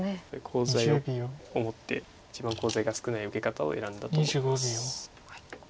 コウ材を思って一番コウ材が少ない受け方を選んだと思います。